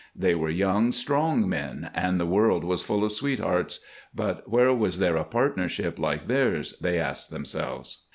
They were young, strong men, and the world was full of sweethearts, but where was there a partnership like theirs, they asked themselves.